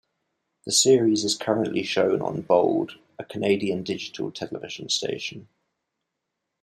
The series is currently shown on bold, a Canadian digital television station.